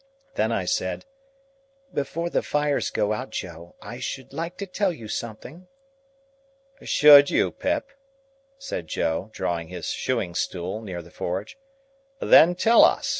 Then I said, "Before the fire goes out, Joe, I should like to tell you something." "Should you, Pip?" said Joe, drawing his shoeing stool near the forge. "Then tell us.